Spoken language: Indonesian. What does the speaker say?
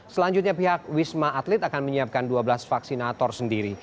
selanjutnya pihak wisma atlet akan menyiapkan dua belas vaksinator sendiri